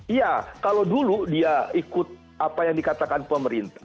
iya kalau dulu dia ikut apa yang dikatakan pemerintah